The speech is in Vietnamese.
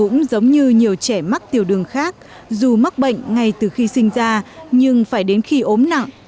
cũng giống như nhiều trẻ mắc tiểu đường khác dù mắc bệnh ngay từ khi sinh ra nhưng phải đến khi ốm nặng